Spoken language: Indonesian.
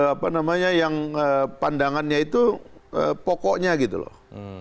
apa namanya yang pandangannya itu pokoknya gitu loh